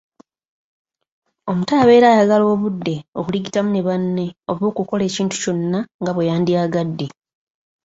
Omuto abeera ayagala obudde okuligitamu ne banne oba okukola ekintu kyonna nga bwe yandyagadde.